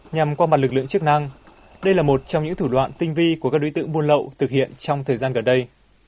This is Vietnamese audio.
nhằm qua mặt lực lượng chức năng đây là một trong những thủ đoạn tinh vi của các đối tượng buôn lậu thực hiện trong thời gian gần đây